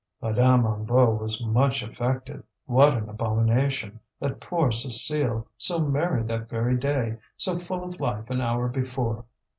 Madame Hennebeau was much affected. What an abomination! That poor Cécile, so merry that very day, so full of life an hour before!